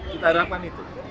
kita harapan itu